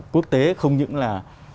quốc tế không những là